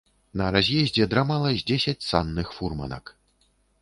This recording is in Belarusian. На раз'ездзе драмала з дзесяць санных фурманак.